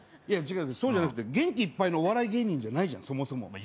いや違うそうじゃなくて元気いっぱいのお笑い芸人じゃないじゃんそもそも。